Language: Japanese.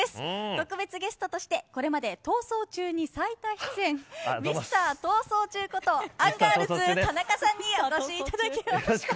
特別ゲストとしてこれまで「逃走中」に最多出演ミスター逃走中ことアンガールズ田中さんにお越しいただきました。